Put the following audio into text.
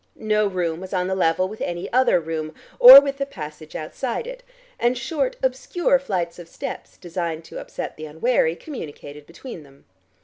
No room was on the level with any other room or with the passage outside it, and short obscure flights of steps designed to upset the unwary communicated between them.